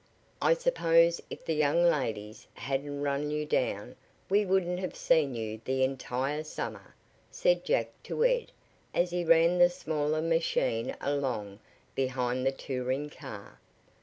"I suppose if the young ladies hadn't run you down we wouldn't have seen you the entire summer," said Jack to Ed as he ran the smaller machine along behind the touring car.